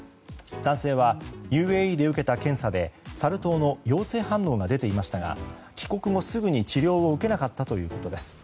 男性はＵＡＥで受けた検査でサル痘の陽性反応が出ていましたが帰国後、すぐに治療を受けなかったということです。